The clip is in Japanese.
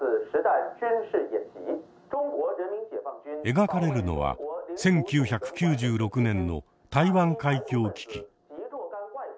描かれるのは１９９６年の「台湾海峡危機」。